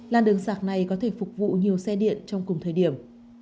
làn đường sạc này có thể phục vụ nhiều xe điện trong cùng thời điểm